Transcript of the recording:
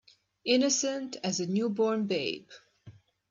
Innocent as a new born babe.